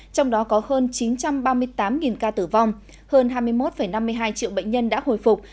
trong đó có hơn chín trăm ba mươi tám ca tử vong hơn hai mươi một năm mươi hai triệu bệnh nhân đã hồi phục